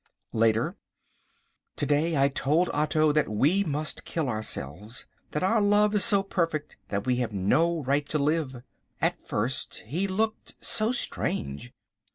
Later. To day I told Otto that we must kill ourselves, that our love is so perfect that we have no right to live. At first he looked so strange.